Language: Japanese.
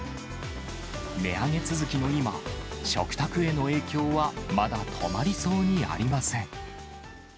値上げ続きの今、食卓への影響はまだ止まりそうにありません。